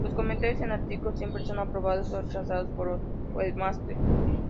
Los comentarios en artículos siempre son aprobados o rechazados por un "webmaster".